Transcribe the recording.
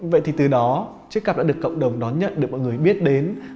vậy thì từ đó chiếc cặp đã được cộng đồng đón nhận được mọi người biết đến